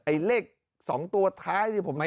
ไอเลขสองตัวท้ายที่ผมได้